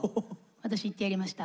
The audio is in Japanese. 私言ってやりました。